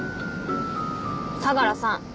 相良さん。